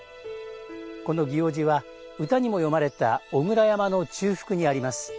この祇王寺は歌にも詠まれた小倉山の中腹にあります。